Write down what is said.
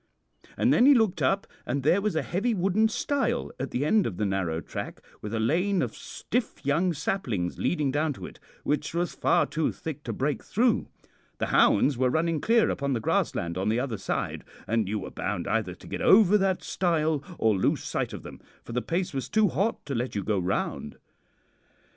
And then he looked up, and there was a heavy wooden stile at the end of the narrow track, with a lane of stiff young saplings leading down to it, which was far too thick to break through. The hounds were running clear upon the grassland on the other side, and you were bound either to get over that stile or lose sight of them, for the pace was too hot to let you go round.